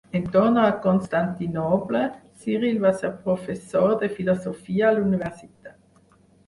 En tornar a Constantinoble, Ciril va ser professor de filosofia a la universitat.